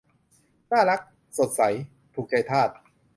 น่ารัก สดใส ถูกใจทาส